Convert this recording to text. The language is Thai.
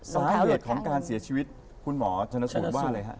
สาเหตุของการเสียชีวิตคุณหมอขนสุทธิ์ว่าเลย